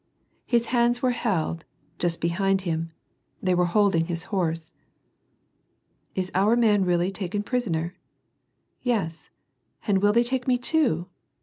His hands were held ; just behind him, they were holding his horse. "Is our man really taken prisoner? Yes ! And will they take me too